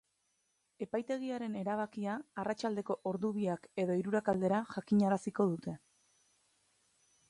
Epaitegiaren erabakia arratsaldeko ordu biak edo hiruak aldera jakinaraziko dute.